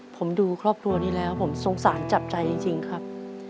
ผมดูครอบครัวนี้แล้วผมสงสารจับใจจริงครับ